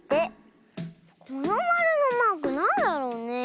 このマルのマークなんだろうね。